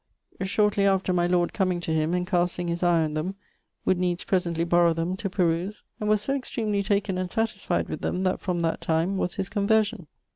shortly after, my lord comeing to him, and casting his eie on them, would needs presently borrow them, to peruse; and was so extremely taken and satisfied with them, that from that time was his conversion.